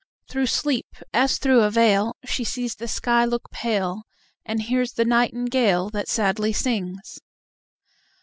Through sleep, as through a veil, She sees the sky look pale, And hears the nightingale That sadly sings.